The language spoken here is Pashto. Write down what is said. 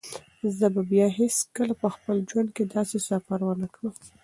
زه به بیا هیڅکله په خپل ژوند کې داسې سفر ونه کړم.